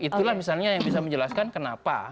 itulah misalnya yang bisa menjelaskan kenapa